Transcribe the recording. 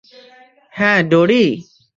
হ্যাঁ, ডোরি?